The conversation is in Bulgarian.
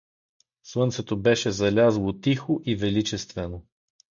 Слънцето беше залязло тихо и величествено.